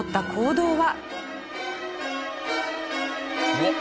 うわっ！